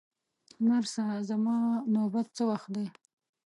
نرسه، زما نوبت څه وخت دی؟